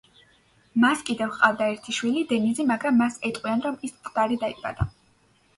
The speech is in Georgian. მას კიდევ ჰყავდა ერთი შვილი დენიზი, მაგრამ მას ეტყვიან რომ ის მკვდარი დაიბადა.